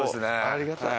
ありがたい。